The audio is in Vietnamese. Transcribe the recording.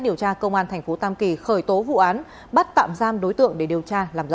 điều tra công an thành phố tam kỳ khởi tố vụ án bắt tạm giam đối tượng để điều tra làm rõ